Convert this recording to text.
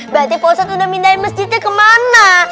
berarti pak ustadz udah mindahin masjidnya kemana